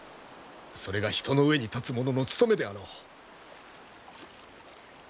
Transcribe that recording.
それが人の上に立つ者の務めであろう。